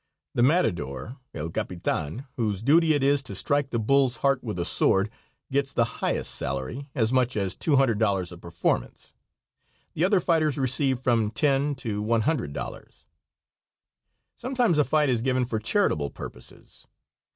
The matador, El Capitan, whose duty it is to strike the bull's heart with a sword, gets the highest salary, as much as $200 a performance; the other fighters receive from $10 to $100. Sometimes a fight is given for charitable purposes.